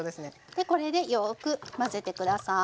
でこれでよく混ぜて下さい。